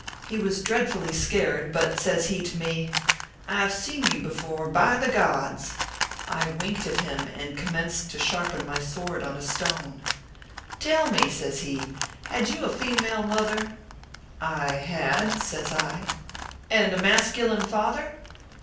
He was dreadfully scared ; but says he to me :" I ve 76 ORPHEUS C. KERR PAPERS. seen you before, by the gods !" I winked at him, and commenced to sharpen my sword on a stone. " Tell me," says he, " had you a female mother ?"" I had/ says I. " And a masculine father